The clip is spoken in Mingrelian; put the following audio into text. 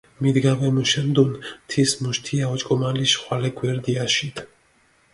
მიდგა ვემუშენდუნ, თის მუშ თია ოჭკომალიშ ხვალე გვერდი აშიიდჷ.